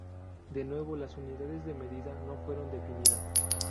De nuevo, las unidades de medida no fueron definidas.